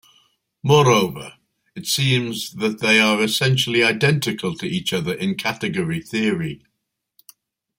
Moreover, it seems that they are essentially identical to each other in category theory.